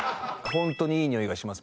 「本当にいい匂いがします！」